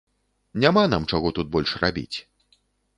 Няма нам чаго тут больш рабіць!